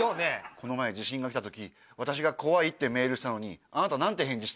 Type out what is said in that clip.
この前地震が来た時私が「怖い」ってメールしたのにあなた何て返事した？